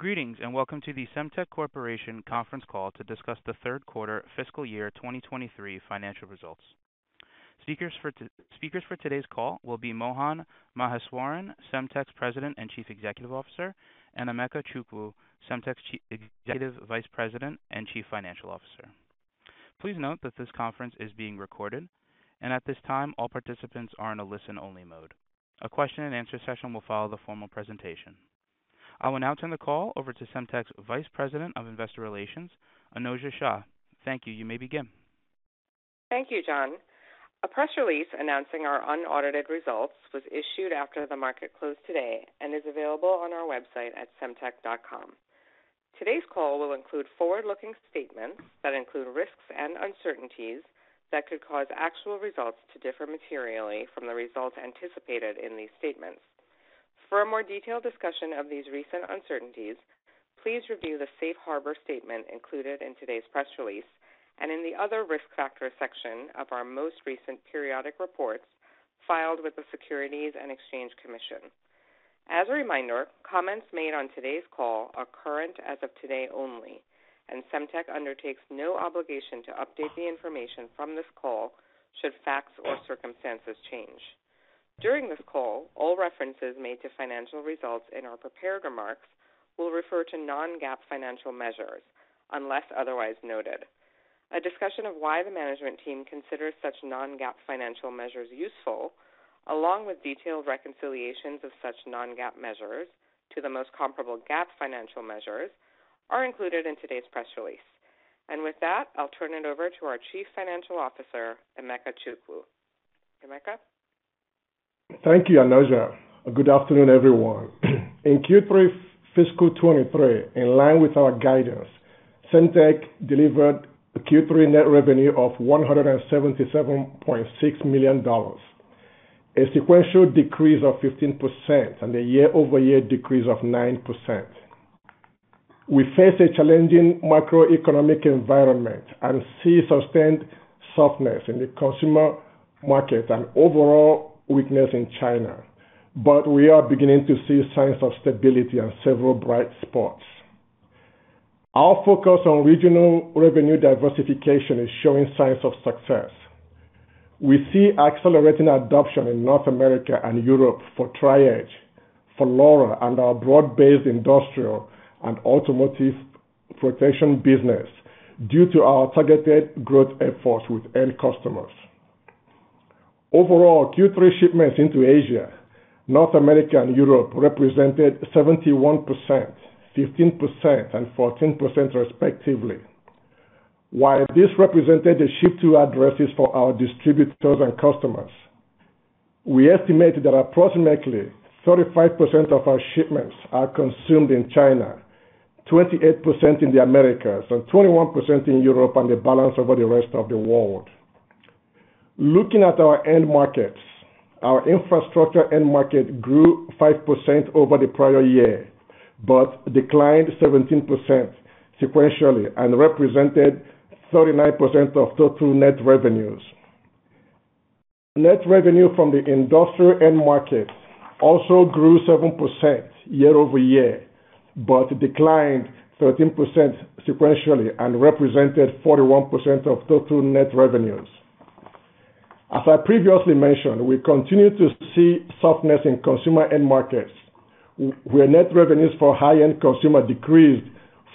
Greetings, and welcome to the Semtech Corporation conference call to discuss The Third Quarter Fiscal Year 2023 Financial Results. Speakers for today's call will be Mohan Maheswaran, Semtech's President and Chief Executive Officer, and Emeka Chukwu, Semtech's Chief Executive Vice President and Chief Financial Officer. Please note that this conference is being recorded, and at this time, all participants are in a listen-only mode. A question-and-answer session will follow the formal presentation. I will now turn the call over to Semtech's Vice President of Investor Relations, Anojja Shah. Thank you. You may begin. Thank you, John. A press release announcing our unaudited results was issued after the market closed today and is available on our website at Semtech.com. Today's call will include forward-looking statements that include risks and uncertainties that could cause actual results to differ materially from the results anticipated in these statements. For a more detailed discussion of these recent uncertainties, please review the safe harbor statement included in today's press release and in the Other Risk Factors section of our most recent periodic reports filed with the Securities and Exchange Commission. As a reminder, comments made on today's call are current as of today only, and Semtech undertakes no obligation to update the information from this call should facts or circumstances change. During this call, all references made to financial results in our prepared remarks will refer to non-GAAP financial measures unless otherwise noted. A discussion of why the management team considers such non-GAAP financial measures useful, along with detailed reconciliations of such non-GAAP measures to the most comparable GAAP financial measures are included in today's press release. With that, I'll turn it over to our Chief Financial Officer, Emeka Chukwu. Emeka? Thank you, Anojja. Good afternoon, everyone. In Q3 fiscal 2023, in line with our guidance, Semtech delivered a Q3 net revenue of $177.6 million, a sequential decrease of 15% and a year-over-year decrease of 9%. We face a challenging macroeconomic environment and see sustained softness in the consumer market and overall weakness in China. We are beginning to see signs of stability and several bright spots. Our focus on regional revenue diversification is showing signs of success. We see accelerating adoption in North America and Europe for Tri-Edge, for LoRa, and our broad-based industrial and automotive protection business due to our targeted growth efforts with end customers. Overall, Q3 shipments into Asia, North America, and Europe represented 71%, 15%, and 14% respectively. While this represented the ship-to addresses for our distributors and customers, we estimate that approximately 35% of our shipments are consumed in China, 28% in the Americas, and 21% in Europe and the balance over the rest of the world. Looking at our end markets, our infrastructure end market grew 5% over the prior year, declined 17% sequentially and represented 39% of total net revenues. Net revenue from the industrial end market also grew 7% year-over-year, declined 13% sequentially and represented 41% of total net revenues. As I previously mentioned, we continue to see softness in consumer end markets, where net revenues for high-end consumer decreased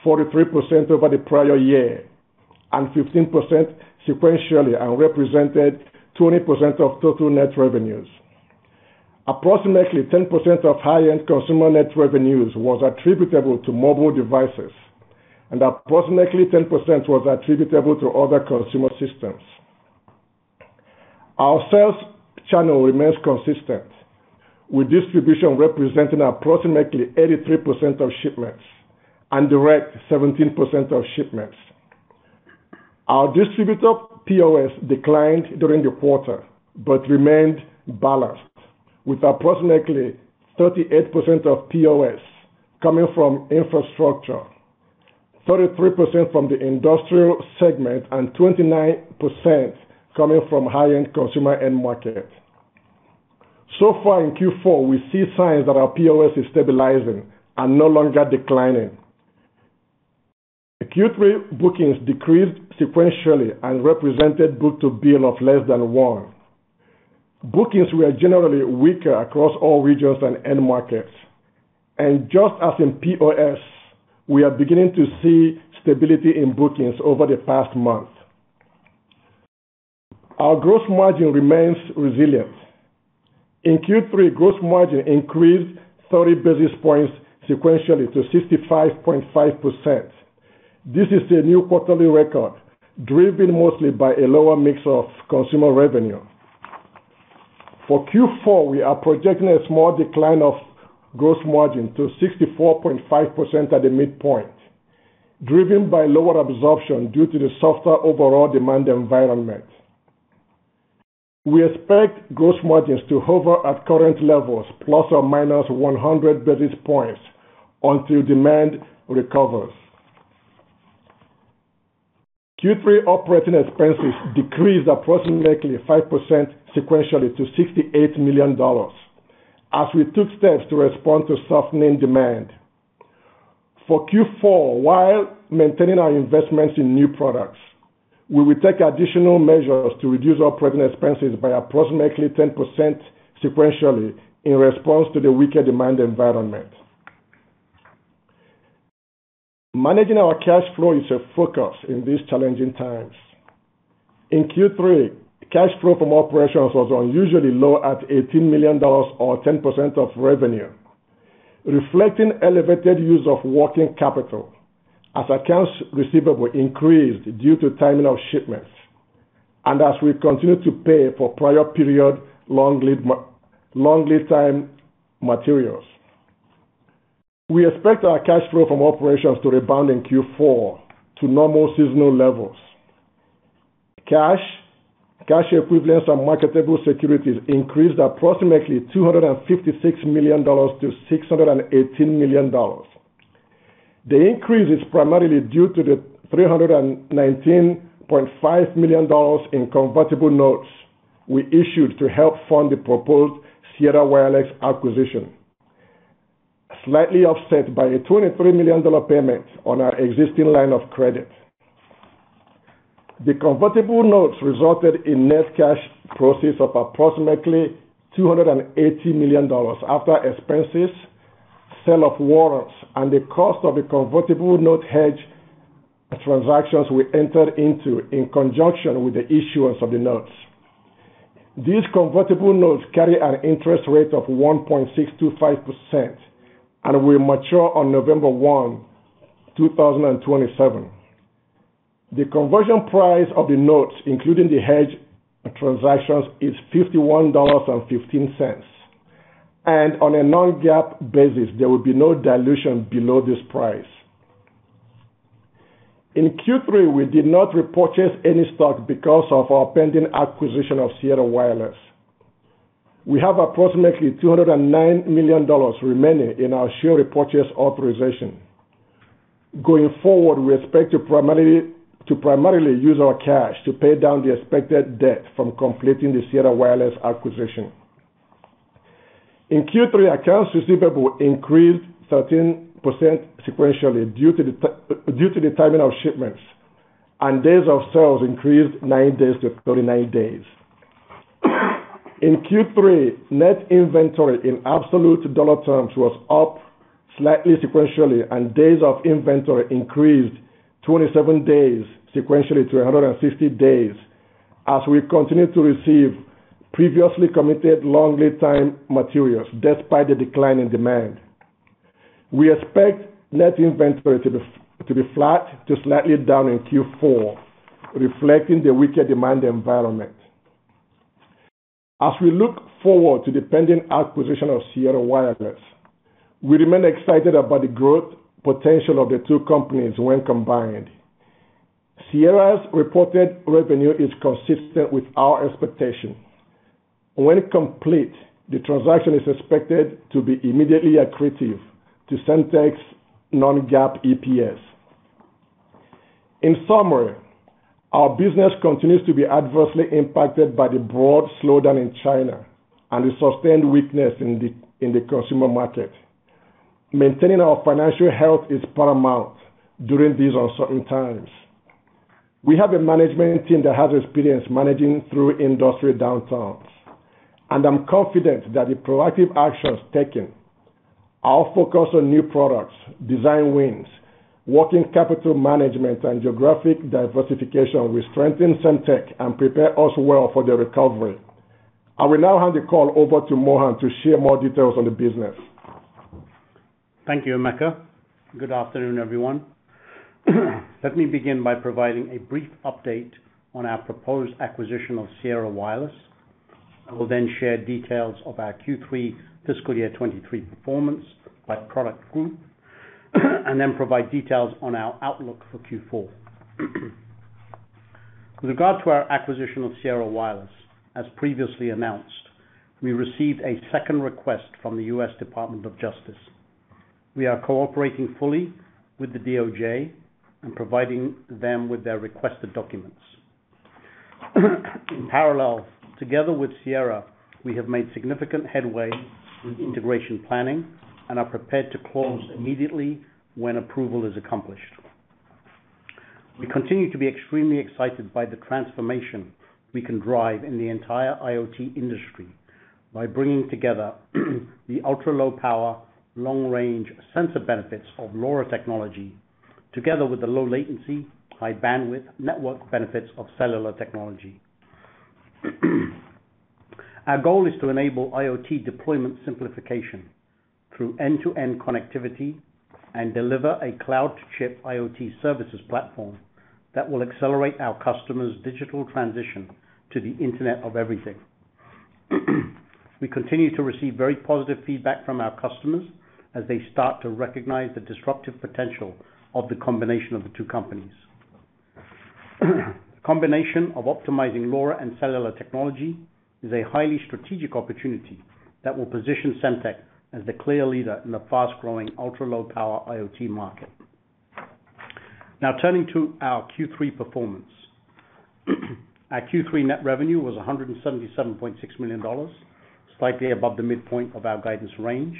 43% over the prior year and 15% sequentially and represented 20% of total net revenues. Approximately 10% of high-end consumer net revenues was attributable to mobile devices, and approximately 10% was attributable to other consumer systems. Our sales channel remains consistent, with distribution representing approximately 83% of shipments and direct 17% of shipments. Our distributor POS declined during the quarter but remained balanced, with approximately 38% of POS coming from infrastructure, 33% from the industrial segment, and 29% coming from high-end consumer end market. Far in Q4, we see signs that our POS is stabilizing and no longer declining. Q3 bookings decreased sequentially and represented book-to-bill of less than one. Bookings were generally weaker across all regions and end markets. Just as in POS, we are beginning to see stability in bookings over the past month. Our gross margin remains resilient. In Q3, gross margin increased 30 basis points sequentially to 65.5%. This is a new quarterly record, driven mostly by a lower mix of consumer revenue. For Q4, we are projecting a small decline of gross margin to 64.5% at the midpoint, driven by lower absorption due to the softer overall demand environment. We expect gross margins to hover at current levels ±100 basis points until demand recovers. Q3 operating expenses decreased approximately 5% sequentially to $68 million, as we took steps to respond to softening demand. For Q4, while maintaining our investments in new products, we will take additional measures to reduce operating expenses by approximately 10% sequentially in response to the weaker demand environment. Managing our cash flow is a focus in these challenging times. In Q3, cash flow from operations was unusually low at $18 million or 10% of revenue, reflecting elevated use of working capital as accounts receivable increased due to timing of shipments, and as we continue to pay for prior period long lead time materials. We expect our cash flow from operations to rebound in Q4 to normal seasonal levels. Cash, cash equivalents, and marketable securities increased approximately $256 million to $618 million. The increase is primarily due to the $319.5 million in convertible notes we issued to help fund the proposed Sierra Wireless acquisition, slightly offset by a $23 million payment on our existing line of credit. The convertible notes resulted in net cash proceeds of approximately $280 million after expenses, sale of warrants, and the cost of the convertible note hedge transactions we entered into in conjunction with the issuance of the notes. These convertible notes carry an interest rate of 1.625% and will mature on November 1, 2027. The conversion price of the notes, including the hedge transactions, is $51.15. On a non-GAAP basis, there will be no dilution below this price. In Q3, we did not repurchase any stock because of our pending acquisition of Sierra Wireless. We have approximately $209 million remaining in our share repurchase authorization. Going forward, we expect to primarily use our cash to pay down the expected debt from completing the Sierra Wireless acquisition. In Q3, accounts receivable increased 13% sequentially due to the timing of shipments, and days of sales increased nine days to 39 days. In Q3, net inventory in absolute dollar terms was up slightly sequentially, and days of inventory increased 27 days sequentially to 150 days as we continued to receive previously committed long lead time materials despite the decline in demand. We expect net inventory to be flat to slightly down in Q4, reflecting the weaker demand environment. As we look forward to the pending acquisition of Sierra Wireless, we remain excited about the growth potential of the two companies when combined. Sierra's reported revenue is consistent with our expectations. When complete, the transaction is expected to be immediately accretive to Semtech's non-GAAP EPS. In summary, our business continues to be adversely impacted by the broad slowdown in China and the sustained weakness in the consumer market. Maintaining our financial health is paramount during these uncertain times. We have a management team that has experience managing through industry downturns. I'm confident that the proactive actions taken, our focus on new products, design wins, working capital management, and geographic diversification will strengthen Semtech and prepare us well for the recovery. I will now hand the call over to Mohan to share more details on the business. Thank you, Emeka. Good afternoon, everyone. Let me begin by providing a brief update on our proposed acquisition of Sierra Wireless. I will then share details of our Q3 fiscal year 23 performance by product group, and then provide details on our outlook for Q4. With regard to our acquisition of Sierra Wireless, as previously announced, we received a second request from the U.S. Department of Justice. We are cooperating fully with the DOJ and providing them with their requested documents. In parallel, together with Sierra, we have made significant headway with integration planning and are prepared to close immediately when approval is accomplished. We continue to be extremely excited by the transformation we can drive in the entire IoT industry by bringing together the ultra-low power, long-range sensor benefits of LoRa technology together with the low latency, high bandwidth network benefits of cellular technology. Our goal is to enable IoT deployment simplification through end-to-end connectivity and deliver a cloud-to-chip IoT services platform that will accelerate our customers' digital transition to the Internet of Everything. We continue to receive very positive feedback from our customers as they start to recognize the disruptive potential of the combination of the two companies. The combination of optimizing LoRa and cellular technology is a highly strategic opportunity that will position Semtech as the clear leader in the fast-growing ultra-low power IoT market. Turning to our Q3 performance. Our Q3 net revenue was $177.6 million, slightly above the midpoint of our guidance range.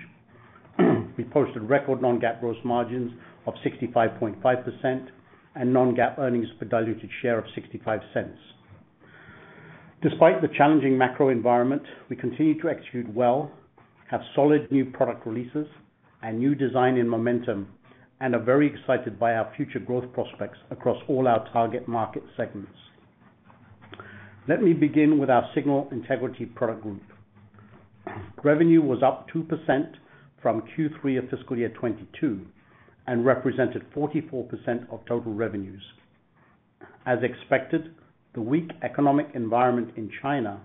We posted record non-GAAP gross margins of 65.5% and non-GAAP earnings per diluted share of $0.65. Despite the challenging macro environment, we continue to execute well, have solid new product releases and new design in momentum, and are very excited by our future growth prospects across all our target market segments. Let me begin with our signal integrity product group. Revenue was up 2% from Q3 of fiscal year 2022 and represented 44% of total revenues. As expected, the weak economic environment in China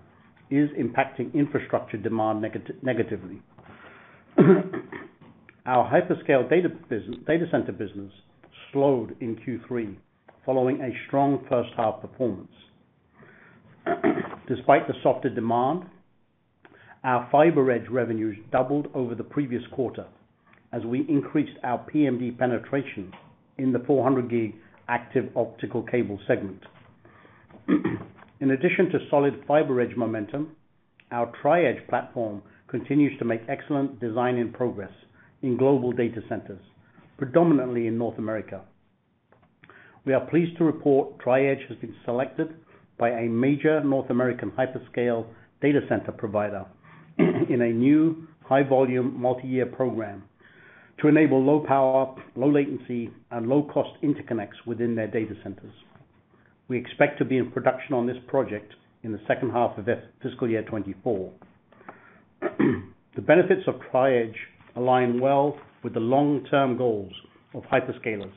is impacting infrastructure demand negatively. Our hyperscale data center business slowed in Q3 following a strong first half performance. Despite the softer demand, our FiberEdge revenues doubled over the previous quarter as we increased our PMD penetration in the 400 G active optical cable segment. In addition to solid FiberEdge momentum, our Tri-Edge platform continues to make excellent design and progress in global data centers, predominantly in North America. We are pleased to report Tri-Edge has been selected by a major North American hyperscale data center provider in a new high volume multi-year program to enable low power, low latency, and low cost interconnects within their data centers. We expect to be in production on this project in the second half of fiscal year 2024. The benefits of Tri-Edge align well with the long-term goals of hyperscalers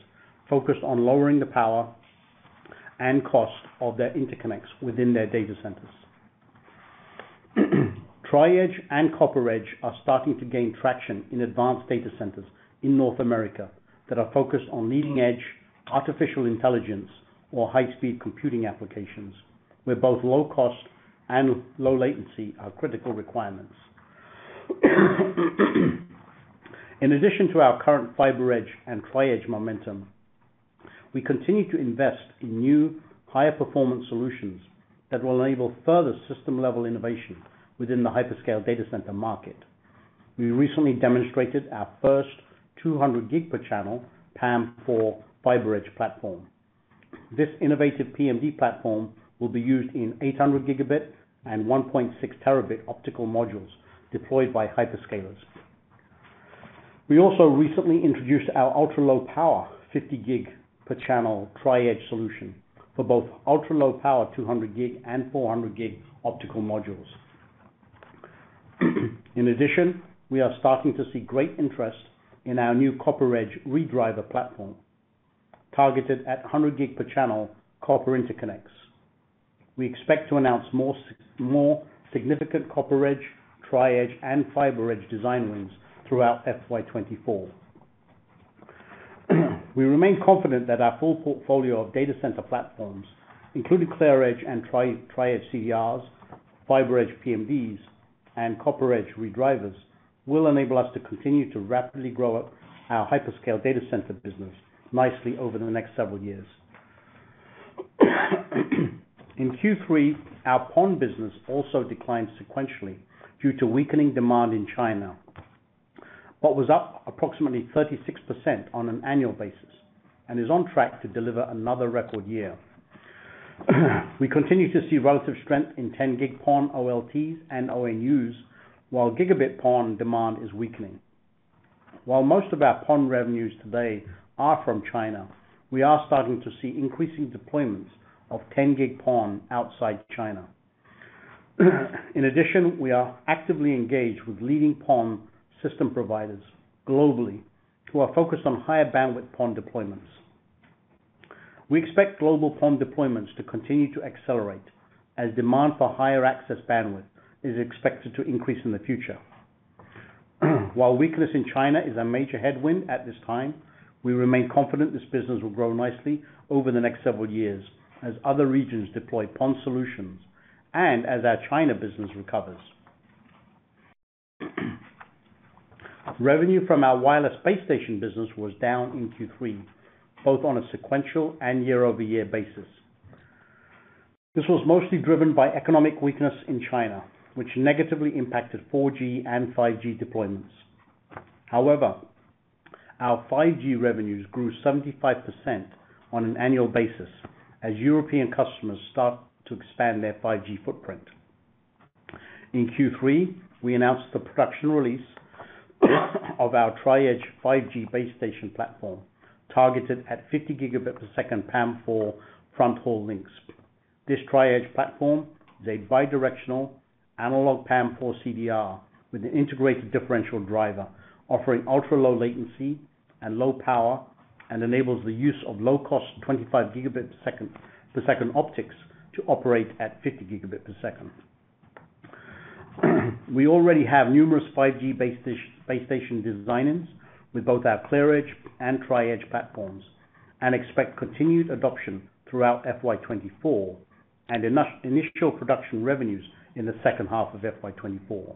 focused on lowering the power and cost of their interconnects within their data centers. Tri-Edge and CopperEdge are starting to gain traction in advanced data centers in North America that are focused on leading edge artificial intelligence or high-speed computing applications, where both low cost and low latency are critical requirements. In addition to our current FiberEdge and Tri-Edge momentum, we continue to invest in new higher performance solutions that will enable further system-level innovation within the hyperscale data center market. We recently demonstrated our first 200 G per channel PAM4 FiberEdge platform. This innovative PMD platform will be used in 800 Gb and 1.6 Tb optical modules deployed by hyperscalers. In addition, we also recently introduced our ultra-low power 50 G per channel Tri-Edge solution for both ultra-low power 200 G and 400 G optical modules. We are starting to see great interest in our new CopperEdge redriver platform targeted at 100 G per channel copper interconnects. We expect to announce more significant CopperEdge, Tri-Edge, and FiberEdge design wins throughout FY 2024. We remain confident that our full portfolio of data center platforms, including ClearEdge and Tri-Edge CDRs, FiberEdge PMDs, and CopperEdge redrivers, will enable us to continue to rapidly grow our hyperscale data center business nicely over the next several years. In Q3, our PON business also declined sequentially due to weakening demand in China, but was up approximately 36% on an annual basis and is on track to deliver another record year. We continue to see relative strength in 10 G PON OLTs and ONUs, while gigabit PON demand is weakening. While most of our PON revenues today are from China, we are starting to see increasing deployments of 10 G PON outside China. In addition, we are actively engaged with leading PON system providers globally who are focused on higher bandwidth PON deployments. We expect global PON deployments to continue to accelerate as demand for higher access bandwidth is expected to increase in the future. While weakness in China is a major headwind at this time, we remain confident this business will grow nicely over the next several years as other regions deploy PON solutions and as our China business recovers. Revenue from our wireless base station business was down in Q3, both on a sequential and year-over-year basis. This was mostly driven by economic weakness in China, which negatively impacted 4G and 5G deployments. Our 5G revenues grew 75% on an annual basis as European customers start to expand their 5G footprint. In Q3, we announced the production release of our Tri-Edge 5G base station platform targeted at 50 Gbps PAM4 fronthaul links. This Tri-Edge platform is a bidirectional analog PAM4 CDR with an integrated differential driver offering ultra-low latency and low power, and enables the use of low cost 25 Gbps, per second optics to operate at 50 Gbps. We already have numerous 5G base station design-ins with both our ClearEdge and Tri-Edge platforms, and expect continued adoption throughout FY 2024 and initial production revenues in the second half of FY 2024.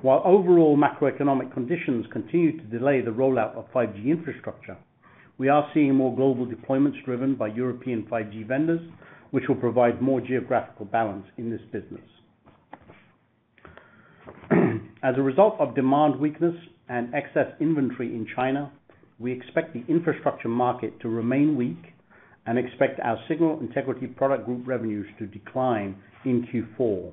While overall macroeconomic conditions continue to delay the rollout of 5G infrastructure, we are seeing more global deployments driven by European 5G vendors, which will provide more geographical balance in this business. As a result of demand weakness and excess inventory in China, we expect the infrastructure market to remain weak, and expect our signal integrity product group revenues to decline in Q4.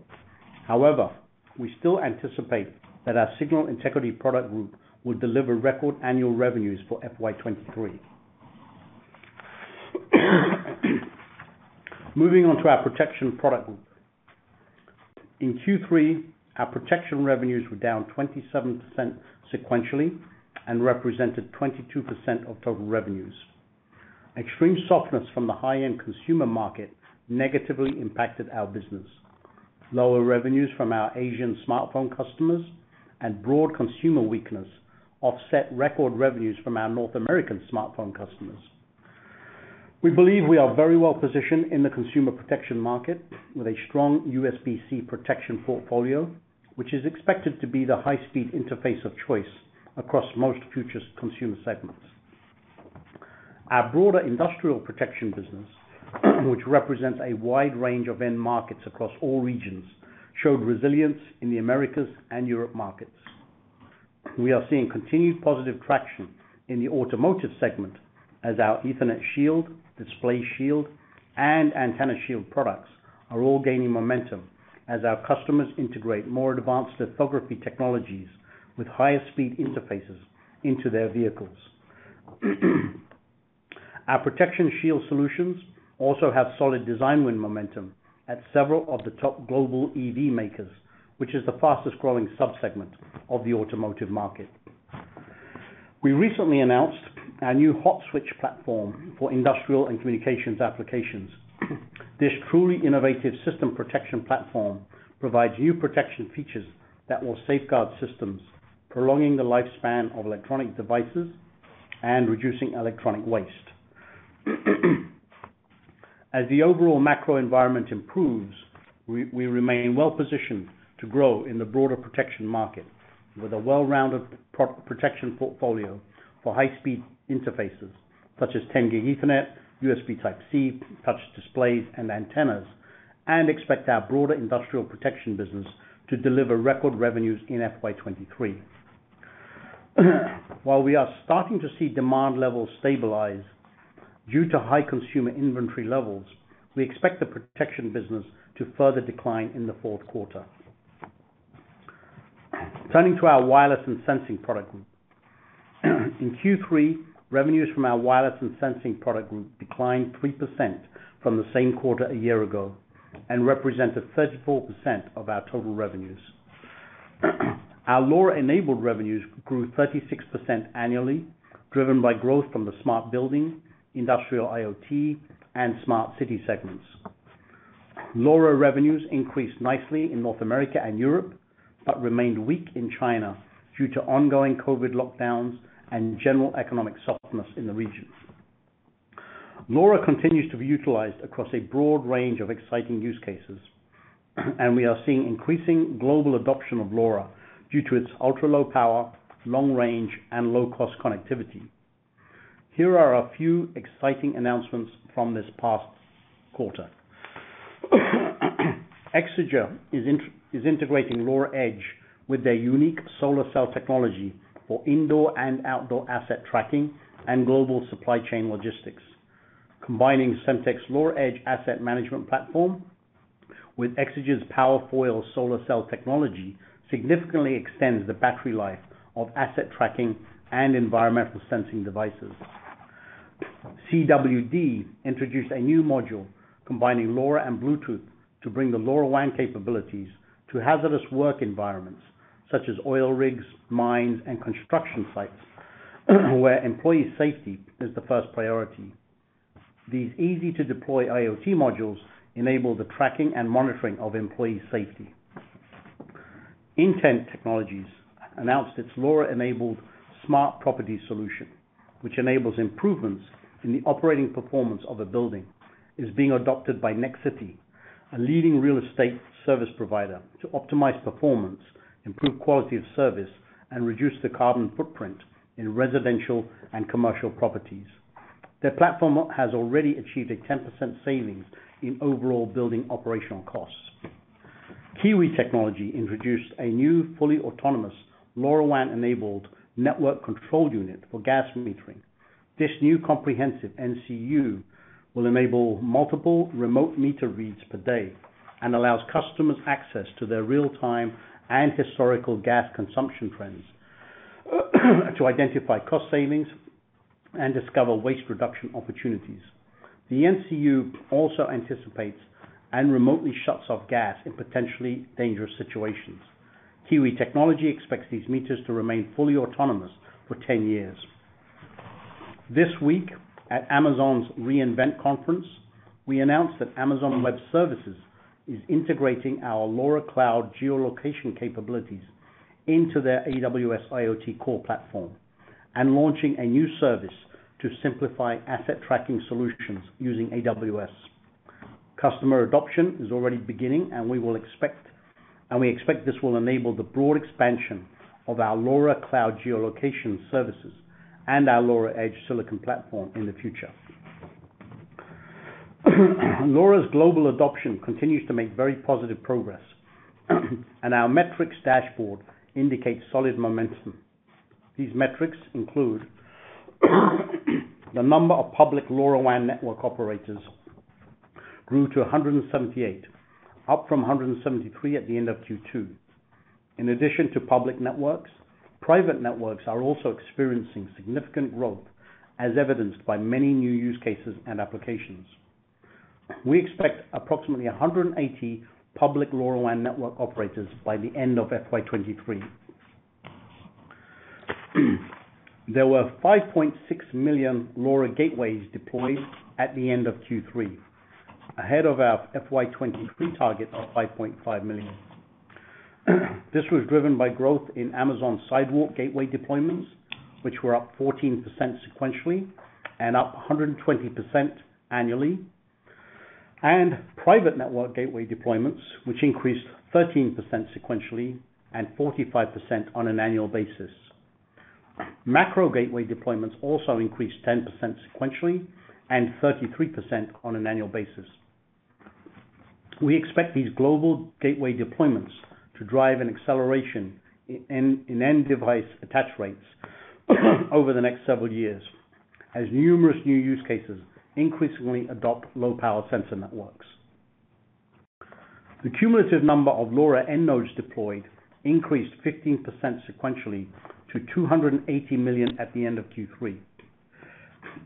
However, we still anticipate that our signal integrity product group will deliver record annual revenues for FY 2023. Moving on to our protection product group. In Q3, our protection revenues were down 27% sequentially and represented 22% of total revenues. Extreme softness from the high-end consumer market negatively impacted our business. Lower revenues from our Asian smartphone customers and broad consumer weakness offset record revenues from our North American smartphone customers. We believe we are very well positioned in the consumer protection market with a strong USB-C protection portfolio, which is expected to be the high-speed interface of choice across most future consumer segments. Our broader industrial protection business, which represents a wide range of end markets across all regions, showed resilience in the Americas and Europe markets. We are seeing continued positive traction in the automotive segment as our EthernetShield, DisplayShield, and AntennaShield products are all gaining momentum as our customers integrate more advanced lithography technologies with higher speed interfaces into their vehicles. Our ProtectionShield solutions also have solid design win momentum at several of the top global EV makers, which is the fastest growing sub-segment of the automotive market. We recently announced our new Hot-Swap platform for industrial and communications applications. This truly innovative system protection platform provides new protection features that will safeguard systems, prolonging the lifespan of electronic devices and reducing electronic waste. As the overall macro environment improves, we remain well-positioned to grow in the broader protection market with a well-rounded protection portfolio for high-speed interfaces such as 10 G Ethernet, USB Type-C, touch displays and antennas, and expect our broader industrial protection business to deliver record revenues in FY 2023. While we are starting to see demand levels stabilize, due to high consumer inventory levels, we expect the protection business to further decline in the fourth quarter. Turning to our wireless and sensing product group. In Q3, revenues from our wireless and sensing product group declined 3% from the same quarter a year ago and represented 34% of our total revenues. Our LoRa-enabled revenues grew 36% annually, driven by growth from the smart building, industrial IoT, and smart city segments. LoRa revenues increased nicely in North America and Europe, but remained weak in China due to ongoing COVID lockdowns and general economic softness in the region. LoRa continues to be utilized across a broad range of exciting use cases, and we are seeing increasing global adoption of LoRa due to its ultra-low power, long range, and low cost connectivity. Here are a few exciting announcements from this past quarter. Exeger is integrating LoRa Edge with their unique solar cell technology for indoor and outdoor asset tracking and global supply chain logistics. Combining Semtech's LoRa Edge asset management platform with Exeger's Powerfoyle solar cell technology significantly extends the battery life of asset tracking and environmental sensing devices. CWD introduced a new module combining LoRa and Bluetooth to bring the LoRaWAN capabilities to hazardous work environments such as oil rigs, mines, and construction sites, where employee safety is the first priority. These easy to deploy IoT modules enable the tracking and monitoring of employee safety. Intent Technologies announced its LoRa-enabled smart property solution, which enables improvements in the operating performance of a building, is being adopted by Nexity, a leading real estate service provider, to optimize performance, improve quality of service, and reduce the carbon footprint in residential and commercial properties. Their platform has already achieved a 10% savings in overall building operational costs. Kiwi Technology introduced a new fully autonomous LoRaWAN-enabled network control unit for gas metering. This new comprehensive NCU will enable multiple remote meter reads per day and allows customers access to their real-time and historical gas consumption trends, to identify cost savings and discover waste reduction opportunities. The NCU also anticipates and remotely shuts off gas in potentially dangerous situations. Kiwi Technology expects these meters to remain fully autonomous for 10 years. This week at AWS re:Invent Conference, we announced that Amazon Web Services is integrating our LoRa Cloud geolocation capabilities into their AWS IoT Core platform and launching a new service to simplify asset tracking solutions using AWS. Customer adoption is already beginning, and we expect this will enable the broad expansion of our LoRa Cloud geolocation services and our LoRa Edge Silicon platform in the future. LoRa's global adoption continues to make very positive progress, and our metrics dashboard indicates solid momentum. These metrics include, the number of public LoRaWAN network operators grew to 178, up from 173 at the end of Q2. In addition to public networks, private networks are also experiencing significant growth, as evidenced by many new use cases and applications. We expect approximately 180 public LoRaWAN network operators by the end of FY 2023. There were 5.6 million LoRa gateways deployed at the end of Q3, ahead of our FY 2023 target of 5.5 million. This was driven by growth in Amazon Sidewalk gateway deployments, which were up 14% sequentially and up 120% annually. Private network gateway deployments, which increased 13% sequentially and 45% on an annual basis. Macro gateway deployments also increased 10% sequentially and 33% on an annual basis. We expect these global gateway deployments to drive an acceleration in end device attach rates over the next several years, as numerous new use cases increasingly adopt low-power sensor networks. The cumulative number of LoRa end nodes deployed increased 15% sequentially to 280 million at the end of Q3.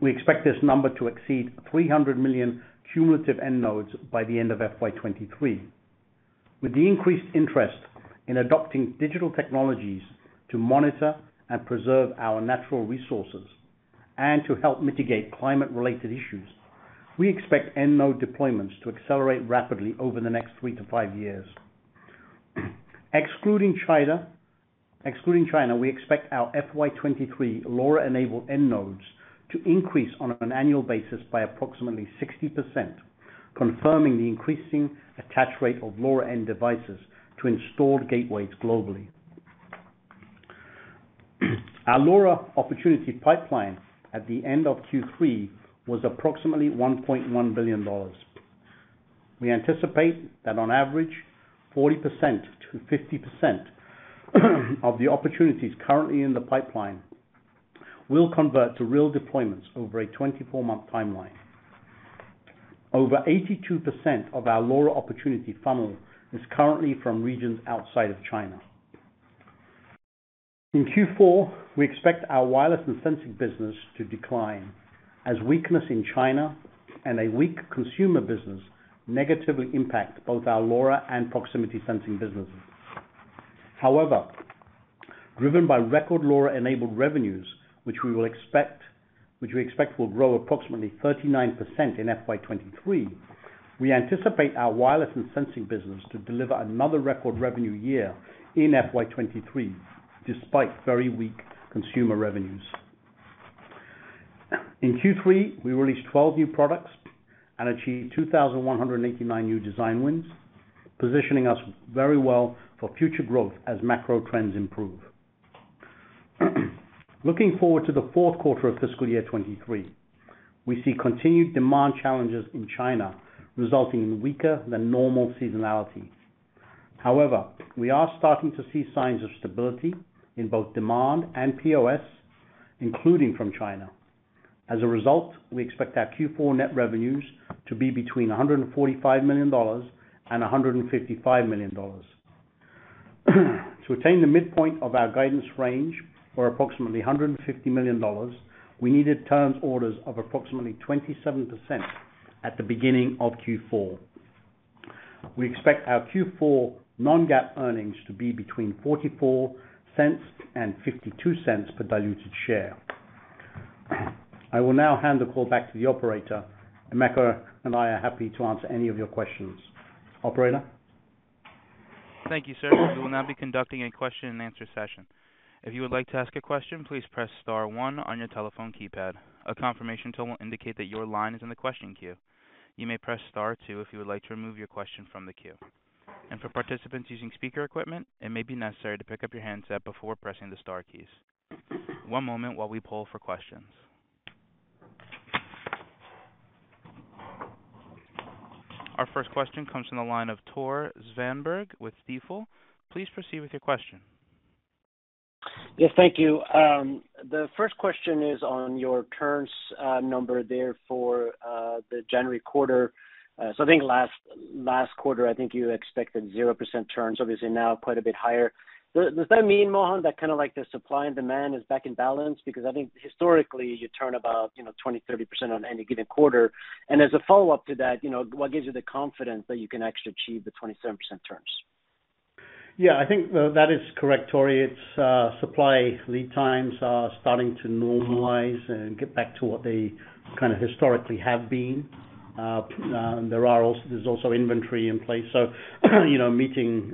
We expect this number to exceed 300 million cumulative end nodes by the end of FY 2023. With the increased interest in adopting digital technologies to monitor and preserve our natural resources and to help mitigate climate related issues, we expect end node deployments to accelerate rapidly over the next three to five years. Excluding China, we expect our FY 2023 LoRa-enabled end nodes to increase on an annual basis by approximately 60%, confirming the increasing attach rate of LoRa end devices to installed gateways globally. Our LoRa opportunity pipeline at the end of Q3 was approximately $1.1 billion. We anticipate that on average, 40%-50% of the opportunities currently in the pipeline will convert to real deployments over a 24-month timeline. Over 82% of our LoRa opportunity funnel is currently from regions outside of China. In Q4, we expect our wireless and sensing business to decline, as weakness in China and a weak consumer business negatively impact both our LoRa and proximity sensing businesses. Driven by record LoRa-enabled revenues, which we expect will grow approximately 39% in FY 2023, we anticipate our wireless and sensing business to deliver another record revenue year in FY 2023, despite very weak consumer revenues. In Q3, we released 12 new products and achieved 2,189 new design wins, positioning us very well for future growth as macro trends improve. Looking forward to the fourth quarter of fiscal year 2023, we see continued demand challenges in China, resulting in weaker than normal seasonality. We are starting to see signs of stability in both demand and POS, including from China. We expect our Q4 net revenues to be between $145 million and $155 million. To attain the midpoint of our guidance range, or approximately $150 million, we needed turns orders of approximately 27% at the beginning of Q4. We expect our Q4 non-GAAP earnings to be between $0.44 and $0.52 per diluted share. I will now hand the call back to the operator. Emeka and I are happy to answer any of your questions. Operator? Thank you, sir. We will now be conducting a question and answer session. If you would like to ask a question, please press star one on your telephone keypad. A confirmation tone will indicate that your line is in the question queue. You may press star two if you would like to remove your question from the queue. For participants using speaker equipment, it may be necessary to pick up your handset before pressing the star keys. One moment while we poll for questions. Our first question comes from the line of Tore Svanberg with Stifel. Please proceed with your question. Yes, thank you. The first question is on your turns, number there for the January quarter. I think last quarter, I think you expected 0% turns, obviously now quite a bit higher. Does that mean, Mohan, that kinda like the supply and demand is back in balance? Because I think historically, you turn about you know 20%, 30% on any given quarter. What gives you the confidence that you can actually achieve the 27% turns? Yeah, I think that is correct, Tore. It's, supply lead times are starting to normalize and get back to what they kind of historically have been. There's also inventory in place. You know, meeting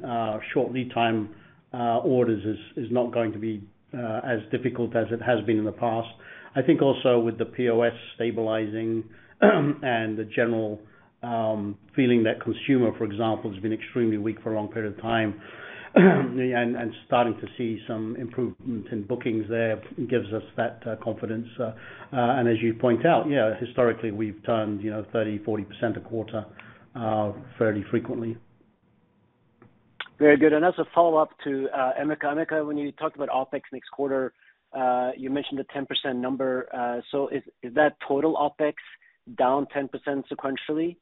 short lead time orders is not going to be as difficult as it has been in the past. I think also with the POS stabilizing and the general feeling that consumer, for example, has been extremely weak for a long period of time, and starting to see some improvement in bookings there gives us that confidence. As you point out, yeah, historically, we've turned, you know, 30%, 40% a quarter fairly frequently. Very good. As a follow-up to Emeka. Emeka, when you talked about OpEx next quarter, you mentioned a 10% number. Is that total OpEx down 10% sequentially?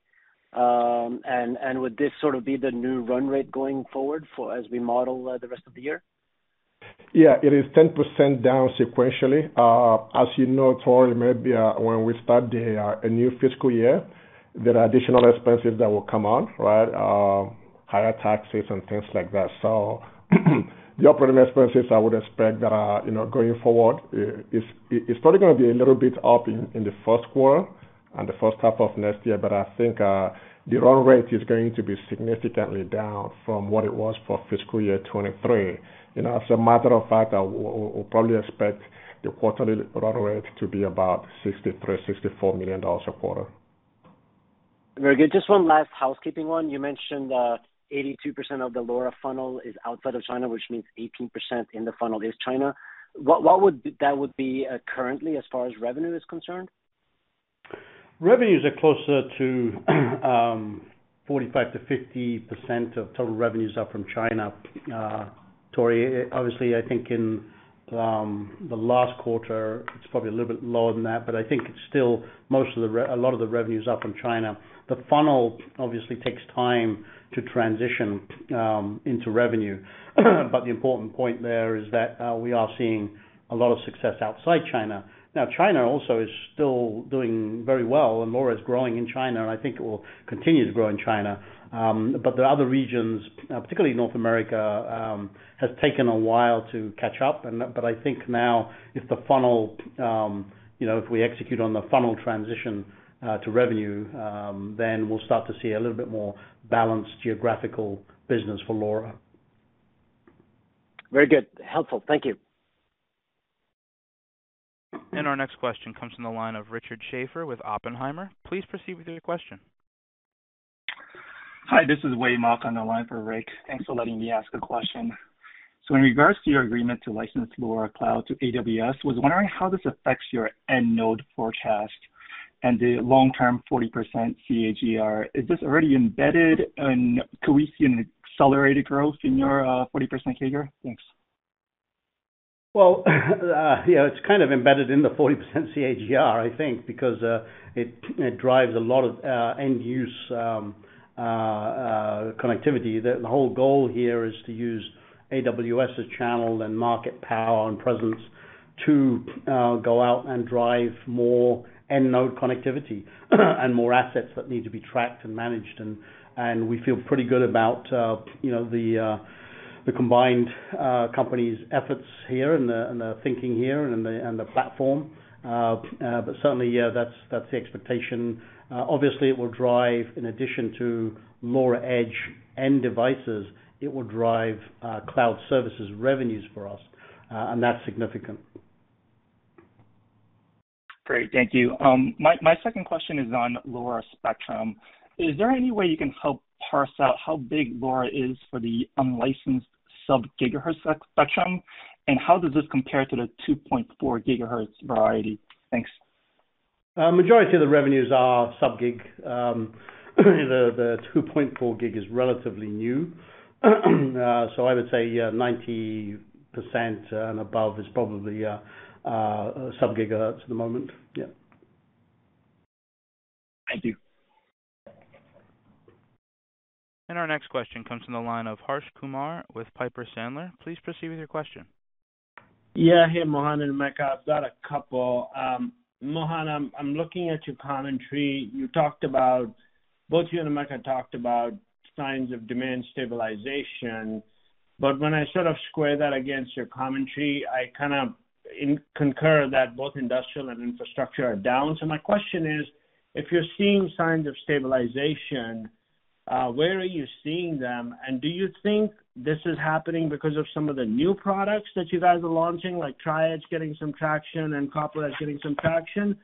Would this sort of be the new run rate going forward for as we model the rest of the year? Yeah, it is 10% down sequentially. As you know, Tore, maybe when we start a new fiscal year, there are additional expenses that will come on, right? Higher taxes and things like that. The operating expenses, I would expect that, you know, going forward is probably gonna be a little bit up in the first quarter and the first half of next year. I think the run rate is going to be significantly down from what it was for fiscal year 2023. You know, as a matter of fact, we'll probably expect the quarterly run rate to be about $63 million-$64 million a quarter. Very good. Just one last housekeeping one. You mentioned, 82% of the LoRa funnel is outside of China, which means 18% in the funnel is China. What would that be, currently as far as revenue is concerned? Revenues are closer to 45%-50% of total revenues are from China. Tore, obviously, I think in the last quarter, it's probably a little bit lower than that, but I think it's still a lot of the revenues are from China. The funnel obviously takes time to transition into revenue. The important point there is that we are seeing a lot of success outside China. China also is still doing very well and LoRa is growing in China, and I think it will continue to grow in China. There are other regions, particularly North America, has taken a while to catch up. I think now if the funnel, you know, if we execute on the funnel transition to revenue, then we'll start to see a little bit more balanced geographical business for LoRa. Very good. Helpful. Thank you. Our next question comes from the line of Rick Schafer with Oppenheimer. Please proceed with your question. Hi, this is Wade Mock on the line for Rick. Thanks for letting me ask a question. In regards to your agreement to license LoRa Cloud to AWS, was wondering how this affects your end node forecast and the long-term 40% CAGR? Is this already embedded and could we see an accelerated growth in your 40% CAGR? Thanks. Well, you know, it's kind of embedded in the 40% CAGR, I think, because it drives a lot of end use connectivity. The whole goal here is to use AWS's channel and market power and presence to go out and drive more end node connectivity and more assets that need to be tracked and managed. We feel pretty good about, you know, the combined company's efforts here and the thinking here and the platform. Certainly, yeah, that's the expectation. Obviously it will drive in addition to LoRa Edge end devices, it will drive cloud services revenues for us, and that's significant. Great. Thank you. My second question is on LoRa spectrum. Is there any way you can help parse out how big LoRa is for the unlicensed sub-gigahertz spectrum, and how does this compare to the 2.4 GHz variety? Thanks. Majority of the revenues are sub-gig. The 2.4 G is relatively new. I would say, yeah, 90% and above is probably sub-gigahertz at the moment. Yeah. Thank you. Our next question comes from the line of Harsh Kumar with Piper Sandler. Please proceed with your question. Hey, Mohan and Emeka. I've got a couple. Mohan, I'm looking at your commentary. Both you and Emeka talked about signs of demand stabilization. When I sort of square that against your commentary, I kinda concur that both industrial and infrastructure are down. My question is: If you're seeing signs of stabilization, where are you seeing them? Do you think this is happening because of some of the new products that you guys are launching, like Tri-Edge getting some traction and Copilot getting some traction?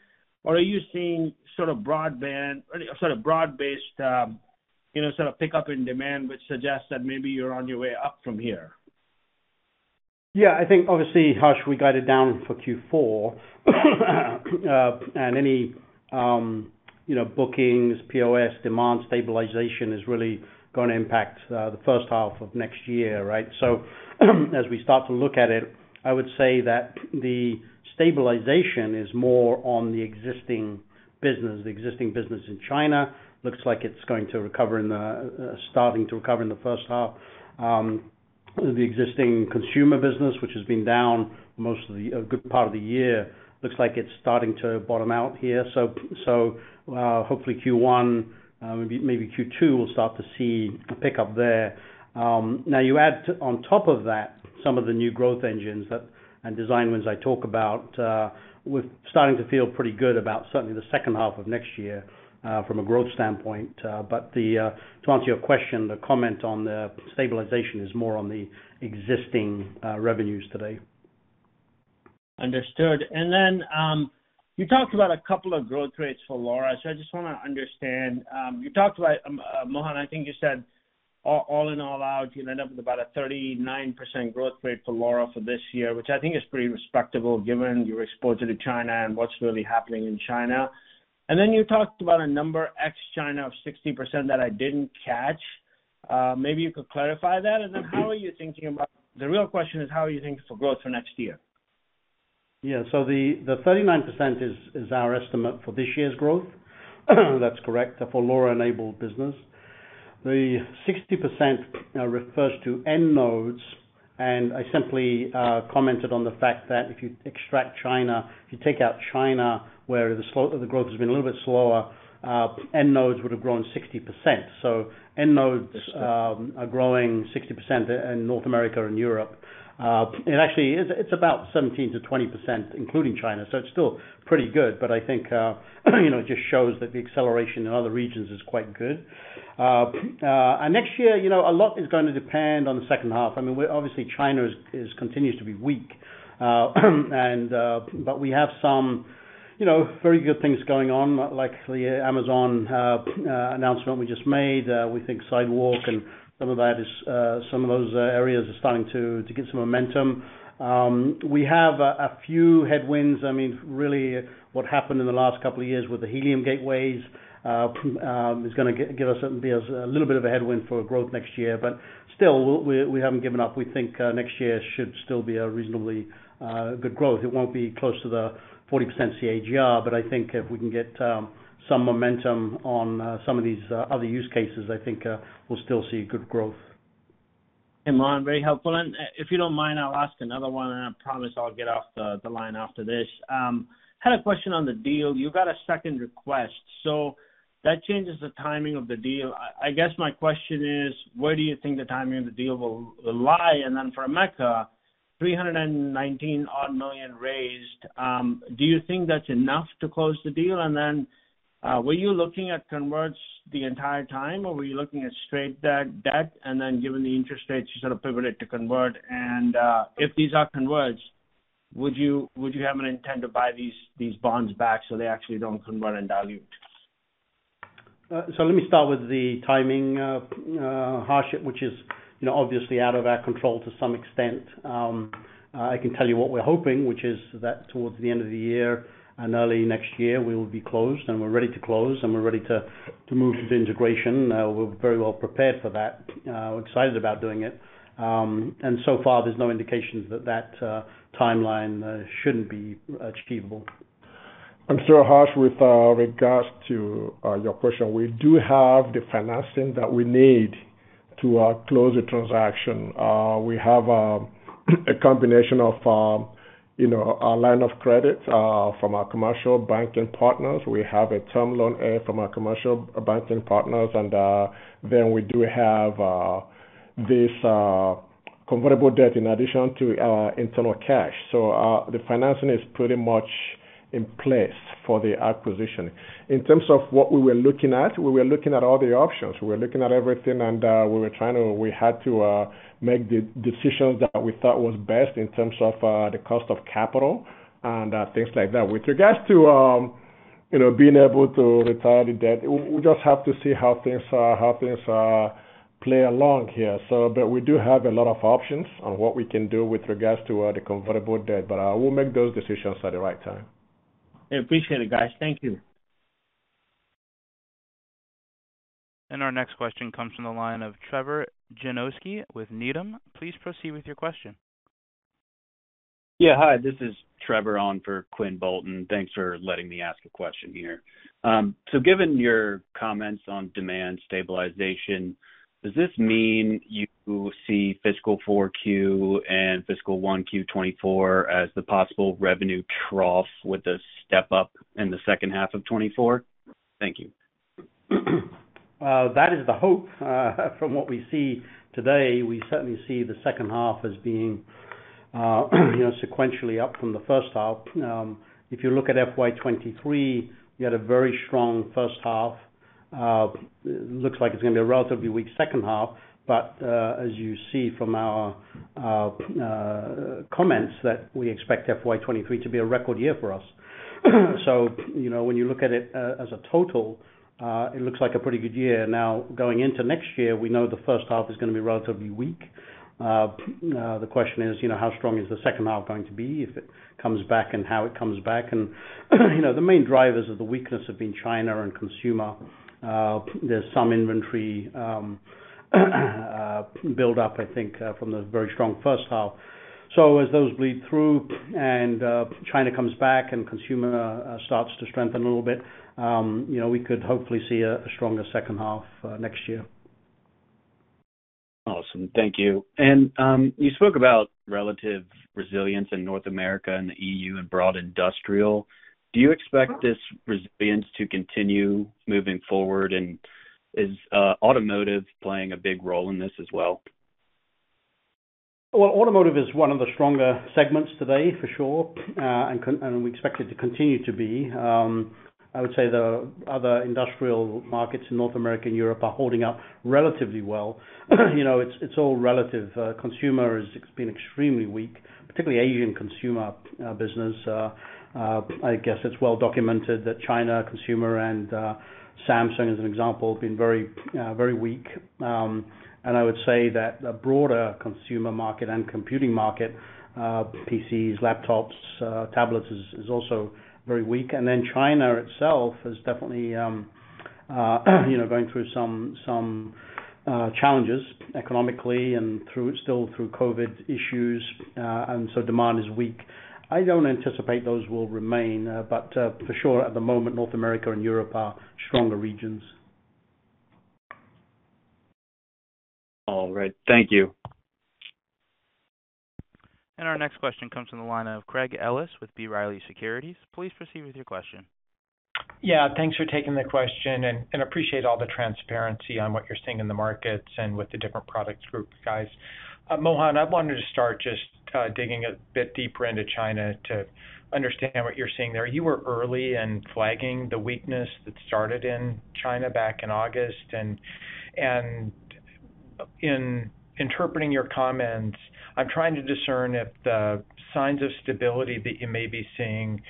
Are you seeing sort of broadband or sort of broad-based, you know, sort of pickup in demand, which suggests that maybe you're on your way up from here? Yeah, I think obviously, Harsh, we got it down for Q4. Any, you know, bookings, POS, demand stabilization is really gonna impact the first half of next year, right? As we start to look at it, I would say that the stabilization is more on the existing business. The existing business in China looks like it's going to recover starting to recover in the first half. The existing consumer business, which has been down a good part of the year, looks like it's starting to bottom out here. Hopefully Q1, maybe Q2, we'll start to see a pickup there. Now you add on top of that some of the new growth engines that and design wins I talk about, we're starting to feel pretty good about certainly the second half of next year, from a growth standpoint. To answer your question, the comment on the stabilization is more on the existing revenues today. Understood. You talked about a couple of growth rates for LoRa, so I just wanna understand. You talked about Mohan, I think you said all in all out, you end up with about a 39% growth rate for LoRa for this year, which I think is pretty respectable given you're exposed to the China and what's really happening in China. You talked about a number ex-China of 60% that I didn't catch. Maybe you could clarify that. How are you thinking about... The real question is how are you thinking for growth for next year? Yeah. The 39% is our estimate for this year's growth, that's correct, for LoRa-enabled business. The 60% refers to end nodes, and I simply commented on the fact that if you extract China, if you take out China where the growth has been a little bit slower, end nodes would have grown 60%. End nodes are growing 60% in North America and Europe. Actually it's about 17%-20%, including China, so it's still pretty good. I think, you know, it just shows that the acceleration in other regions is quite good. Next year, you know, a lot is gonna depend on the second half. I mean, obviously China is continues to be weak. We have some, you know, very good things going on, like the Amazon announcement we just made, we think Sidewalk and some of that is, some of those areas are starting to get some momentum. We have a few headwinds. I mean, really what happened in the last couple of years with the Helium Gateways is gonna give us some, be a little bit of a headwind for growth next year. Still, we haven't given up. We think next year should still be a reasonably good growth. It won't be close to the 40% CAGR, but I think if we can get some momentum on some of these other use cases, I think we'll still see good growth. Hey, Mohan, very helpful. If you don't mind, I'll ask another one, and I promise I'll get off the line after this. Had a question on the deal. You got a second request, so that changes the timing of the deal. I guess my question is, where do you think the timing of the deal will lie? For Emeka, $319 odd million raised, do you think that's enough to close the deal? Were you looking at converts the entire time, or were you looking at straight debt and then given the interest rates, you sort of pivoted to convert? If these are converts, would you have an intent to buy these bonds back so they actually don't convert and dilute? Let me start with the timing, Harsh, which is, you know, obviously out of our control to some extent. I can tell you what we're hoping, which is that towards the end of the year and early next year, we will be closed, and we're ready to close, and we're ready to move to the integration. We're very well prepared for that. We're excited about doing it. So far, there's no indications that timeline shouldn't be achievable. Harsh, with regards to your question, we do have the financing that we need to close the transaction. We have, you know, a combination of a line of credit from our commercial banking partners. We have a term loan from our commercial banking partners, we do have this convertible debt in addition to our internal cash. The financing is pretty much in place for the acquisition. In terms of what we were looking at, we were looking at all the options. We were looking at everything, We had to make decisions that we thought was best in terms of the cost of capital and things like that. With regards to, you know, being able to retire the debt, we just have to see how things play along here. We do have a lot of options on what we can do with regards to the convertible debt, but we'll make those decisions at the right time. Appreciate it, guys. Thank you. Our next question comes from the line of Quinn Bolton with Needham. Please proceed with your question. Yeah. Hi, this is Trevor on for Quinn Bolton. Thanks for letting me ask a question here. Given your comments on demand stabilization, does this mean you see fiscal 4Q and fiscal 1Q 2024 as the possible revenue trough with a step up in the second half of 2024? Thank you. That is the hope. From what we see today, we certainly see the second half as being, you know, sequentially up from the first half. If you look at FY 2023, we had a very strong first half. Looks like it's gonna be a relatively weak second half. As you see from our comments that we expect FY 2023 to be a record year for us. You know, when you look at it, as a total, it looks like a pretty good year. Now, going into next year, we know the first half is gonna be relatively weak. The question is, you know, how strong is the second half going to be if it comes back and how it comes back. You know, the main drivers of the weakness have been China and consumer. There's some inventory build up, I think, from the very strong first half. As those bleed through and China comes back and consumer starts to strengthen a little bit, you know, we could hopefully see a stronger second half next year. Awesome. Thank you. You spoke about relative resilience in North America and the EU and broad industrial. Do you expect this resilience to continue moving forward? Is automotive playing a big role in this as well? Well, automotive is one of the stronger segments today, for sure, and we expect it to continue to be. I would say the other industrial markets in North America and Europe are holding up relatively well. You know, it's all relative. Consumer has been extremely weak, particularly Asian consumer business. I guess it's well documented that China consumer and Samsung as an example, have been very weak. I would say that the broader consumer market and computing market, PCs, laptops, tablets, is also very weak. China itself is definitely, you know, going through some challenges economically and through, still through COVID issues. Demand is weak. I don't anticipate those will remain, but, for sure, at the moment, North America and Europe are stronger regions. All right. Thank you. Our next question comes from the line of Craig Ellis with B. Riley Securities. Please proceed with your question. Yeah, thanks for taking the question, and appreciate all the transparency on what you're seeing in the markets and with the different products group, guys. Mohan, I wanted to start just digging a bit deeper into China to understand what you're seeing there. You were early in flagging the weakness that started in China back in August. In interpreting your comments, I'm trying to discern if the signs of stability that you may be seeing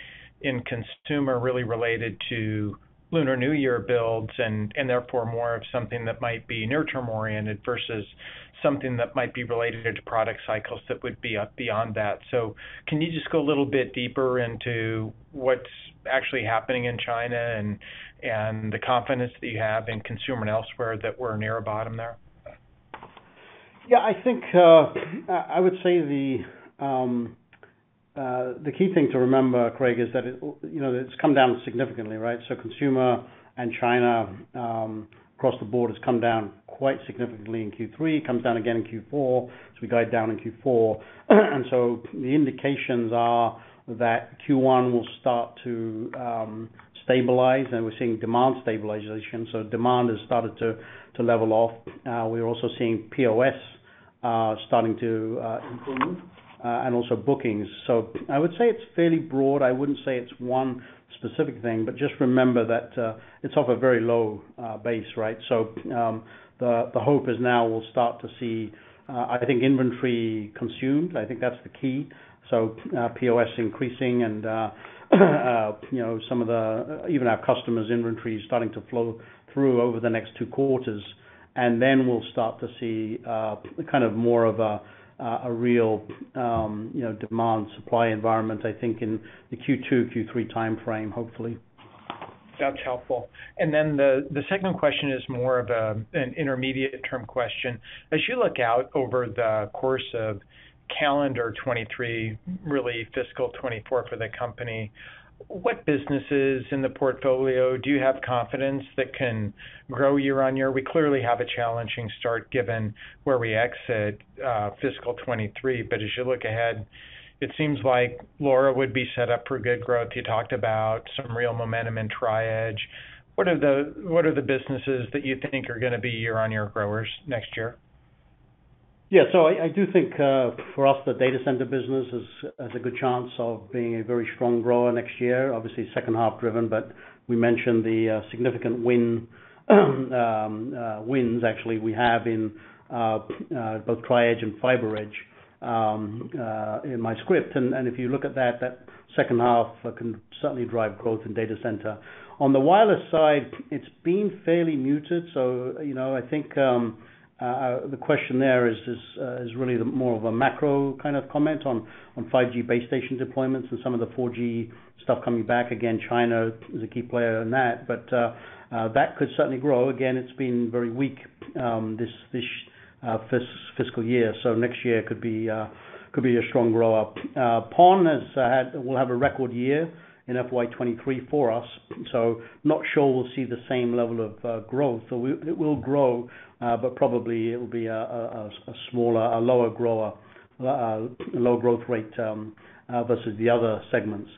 in consumer really related to Lunar New Year builds, and therefore more of something that might be near-term oriented versus something that might be related to product cycles that would be up beyond that. Can you just go a little bit deeper into what's actually happening in China and the confidence that you have in consumer and elsewhere that we're near a bottom there? Yeah. I think, I would say the key thing to remember, Craig, is that you know, it's come down significantly, right? Consumer and China, across the board has come down quite significantly in Q3. Comes down again in Q4, so we guide down in Q4. The indications are that Q1 will start to stabilize, and we're seeing demand stabilization. Demand has started to level off. We're also seeing POS starting to improve, and also bookings. I would say it's fairly broad. I wouldn't say it's one specific thing, but just remember that it's off a very low base, right? The hope is now we'll start to see I think inventory consumed. I think that's the key. POS increasing and, you know, some of even our customers' inventory starting to flow through over the next two quarters. Then we'll start to see kind of more of a real, you know, demand supply environment, I think in the Q2, Q3 timeframe, hopefully. That's helpful. The second question is more of an intermediate term question. As you look out over the course of calendar 2023, really fiscal 2024 for the company, what businesses in the portfolio do you have confidence that can grow year-over-year? We clearly have a challenging start given where we exit fiscal 2023. As you look ahead, it seems like LoRa would be set up for good growth. You talked about some real momentum in Tri-Edge. What are the businesses that you think are gonna be year-over-year growers next year? Yeah. I do think for us, the data center business has a good chance of being a very strong grower next year. Obviously, second half driven, but we mentioned the significant win, wins actually we have in both Tri-Edge and FiberEdge in my script. If you look at that second half can certainly drive growth in data center. On the wireless side, it's been fairly muted. You know, I think the question there is really more of a macro kind of comment on 5G base station deployments and some of the 4G stuff coming back. China is a key player in that could certainly grow. It's been very weak this fiscal year. Next year could be a strong grow up. PON will have a record year in FY 2023 for us, not sure we'll see the same level of growth. It will grow, but probably it'll be a smaller, a lower grower, lower growth rate versus the other segments.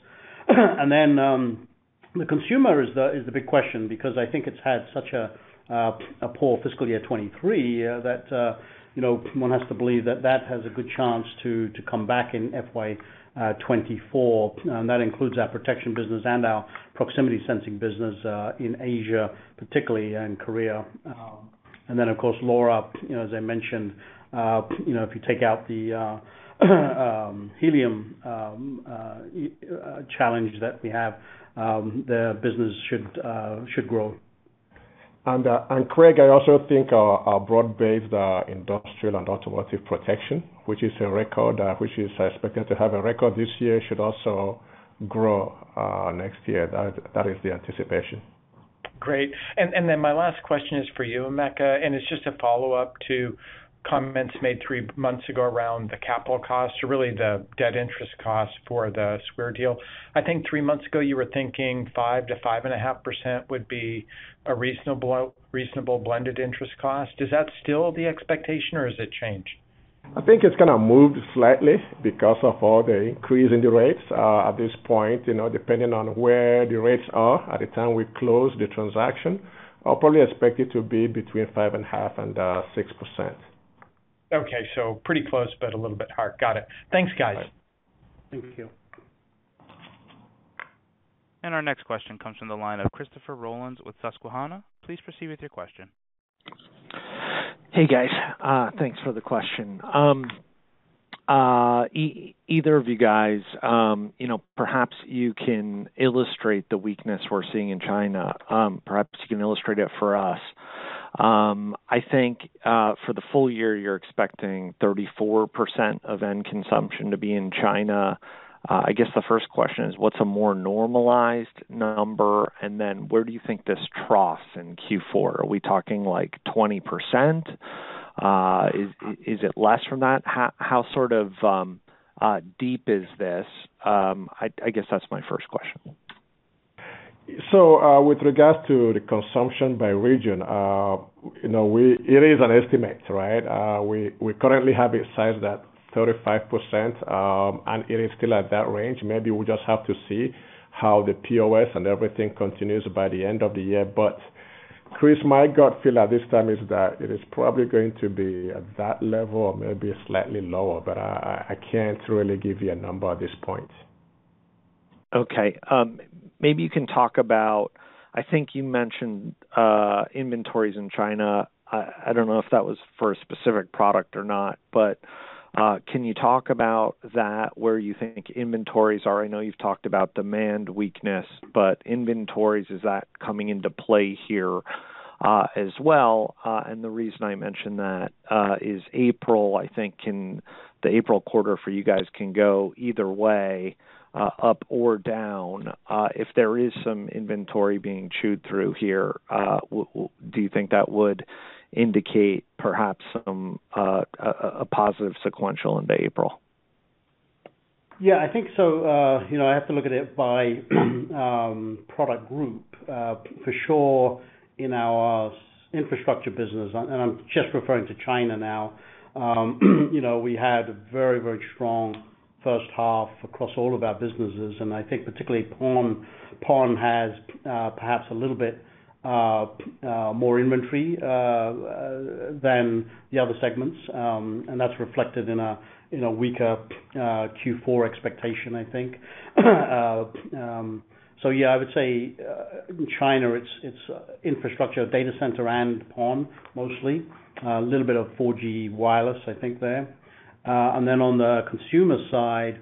The consumer is the big question because I think it's had such a poor fiscal year 2023 that, you know, one has to believe that that has a good chance to come back in FY 2024. That includes our protection business and our proximity sensing business in Asia particularly, and Korea. Of course, LoRa, you know, as I mentioned, you know, if you take out the Helium challenge that we have, the business should grow. Craig, I also think our broad-based industrial and automotive protection, which is a record, which is expected to have a record this year, should also grow next year. That is the anticipation. Great. Then my last question is for you, Emeka, and it's just a follow-up to comments made three months ago around the capital costs or really the debt interest costs for the Sierra Wireless deal. I think three months ago you were thinking 5%-5.5% would be a reasonable blended interest cost. Is that still the expectation or has it changed? I think it's kinda moved slightly because of all the increase in the rates. At this point, you know, depending on where the rates are at the time we close the transaction, I'll probably expect it to be between 5.5% and 6%. Pretty close, but a little bit higher. Got it. Thanks, guys. Thank you. Our next question comes from the line of Christopher Rolland with Susquehanna. Please proceed with your question. Hey, guys. Thanks for the question. Either of you guys, you know, perhaps you can illustrate the weakness we're seeing in China, perhaps you can illustrate it for us. I think, for the full year, you're expecting 34% of end consumption to be in China. I guess the first question is what's a more normalized number, and then where do you think this troughs in Q4? Are we talking, like, 20%? Is it less from that? How sort of deep is this? I guess that's my first question. With regards to the consumption by region, you know, it is an estimate, right? We currently have it sized at 35%, and it is still at that range. Maybe we just have to see how the POS and everything continues by the end of the year. Chris, my gut feel at this time is that it is probably going to be at that level or maybe slightly lower, but I, I can't really give you a number at this point. Okay. Maybe you can talk about, I think you mentioned inventories in China. I don't know if that was for a specific product or not, but can you talk about that, where you think inventories are? I know you've talked about demand weakness, but inventories, is that coming into play here as well? The reason I mention that is April, I think the April quarter for you guys can go either way, up or down. If there is some inventory being chewed through here, do you think that would indicate perhaps some positive sequential into April? Yeah, I think so. You know, I have to look at it by product group. For sure in our infrastructure business, and I'm just referring to China now. You know, we had a very, very strong first half across all of our businesses, and I think particularly PON. PON has perhaps a little bit more inventory than the other segments. That's reflected in a in a weaker Q4 expectation, I think. Yeah, I would say in China, it's infrastructure data center and PON, mostly. A little bit of 4G wireless, I think there. Then on the consumer side,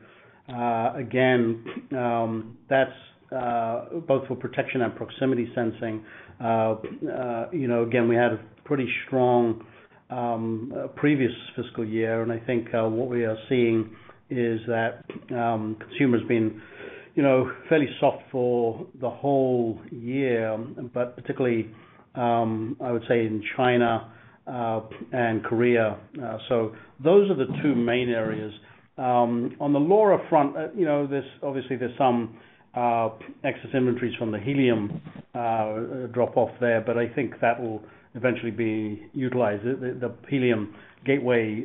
again, that's both for protection and proximity sensing. you know, again, we had a pretty strong previous fiscal year, and I think what we are seeing is that consumer's been, you know, fairly soft for the whole year, but particularly I would say in China and Korea. Those are the two main areas. On the LoRa front, you know, there's obviously there's some excess inventories from the Helium drop off there, but I think that will eventually be utilized. The, the Helium gateway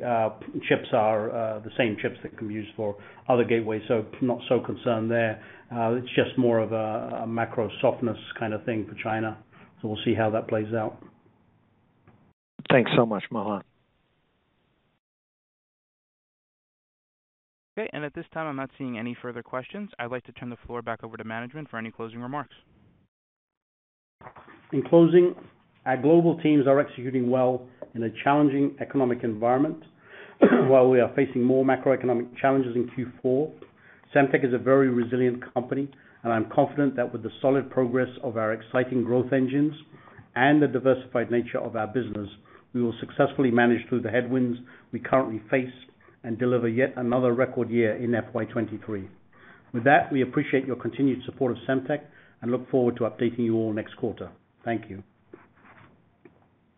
chips are the same chips that can be used for other gateways, so I'm not so concerned there. It's just more of a macro softness kind of thing for China, so we'll see how that plays out. Thanks so much, Mohan. Okay, at this time, I'm not seeing any further questions. I'd like to turn the floor back over to management for any closing remarks. In closing, our global teams are executing well in a challenging economic environment. While we are facing more macroeconomic challenges in Q4, Semtech is a very resilient company and I'm confident that with the solid progress of our exciting growth engines and the diversified nature of our business, we will successfully manage through the headwinds we currently face and deliver yet another record year in FY 2023. With that, we appreciate your continued support of Semtech and look forward to updating you all next quarter. Thank you.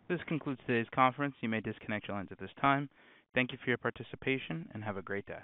This concludes today's conference. You may disconnect your lines at this time. Thank you for your participation, and have a great day.